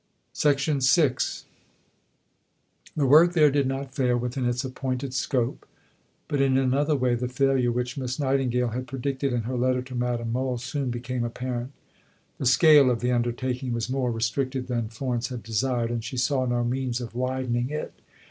VI The work there did not fail within its appointed scope, but in another way the failure which Miss Nightingale had predicted in her letter to Madame Mohl soon became apparent. The scale of the undertaking was more restricted than Florence had desired, and she saw no means of widening it.